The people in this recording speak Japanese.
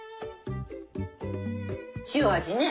塩味ね。